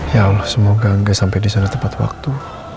ya allah semoga angga sampai disana tepat waktu